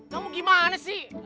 kamu gimana sih